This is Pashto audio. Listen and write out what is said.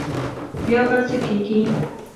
بیا به څه کېږي.